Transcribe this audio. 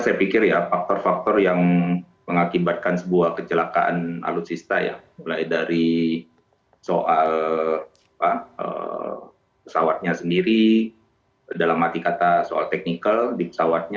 saya pikir ya faktor faktor yang mengakibatkan sebuah kecelakaan alutsista ya mulai dari soal pesawatnya sendiri dalam arti kata soal teknikal di pesawatnya